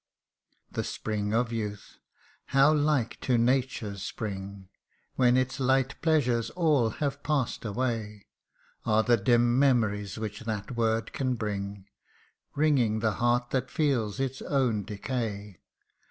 1 The spring of youth ! how like to nature's spring, When its light pleasures all have pass'd away, Are the dim memories which that word can bring, Wringing the heart that feels its own decay